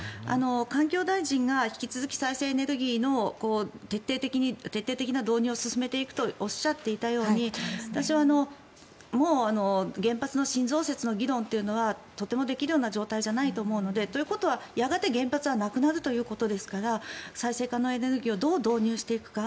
環境大臣が引き続き再生エネルギーの徹底的な導入を進めていくとおっしゃっていたように私はもう原発の新増設の議論というのはとてもできるような状態じゃないと思うのでということは、やがて原発はなくなるということですから再生可能エネルギーをどう導入していくか。